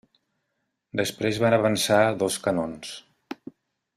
Després van avançar dos canons.